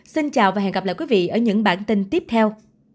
xin chào và hẹn gặp lại quý vị ở những bản tin tiếp theo